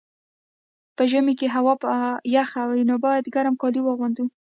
په ژمي کي هوا یخه وي، نو باید ګرم کالي واغوندو.